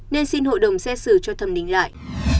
nên xin hội đồng xét xử cho thẩm định lại